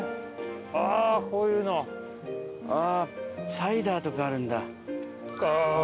サイダーとかあるんだ。